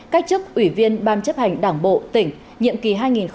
cách chức ủy viên ban chấp hành đảng bộ tỉnh nhiệm kỳ hai nghìn một mươi năm hai nghìn hai mươi